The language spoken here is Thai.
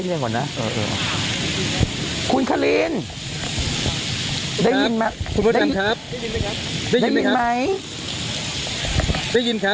ทางกลุ่มมวลชนทะลุฟ้าทางกลุ่มมวลชนทะลุฟ้า